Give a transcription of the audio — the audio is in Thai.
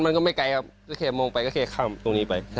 มันก็ไม่ไกลครับก็แค่มองไปก็แค่ข้ามตรงนี้ไป